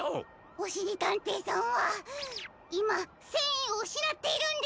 おしりたんていさんはいませんいをうしなっているんです！